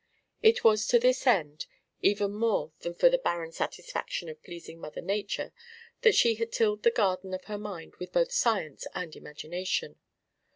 It was to this end even more than for the barren satisfaction of pleasing Mother Nature that she had tilled the garden of her mind with both science and imagination.